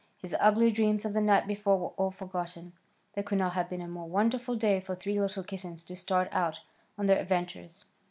His ugly dreams of the night before were all forgotten. There could not have been a more wonderful day for three little kittens to start out on their adventures.